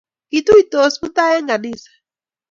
Kituitosi mutai eng' ganisa